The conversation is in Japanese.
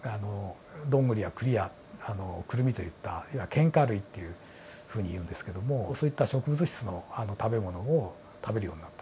ドングリやクリやクルミといった堅果類っていうふうにいうんですけどもそういった植物質の食べ物を食べるようになった。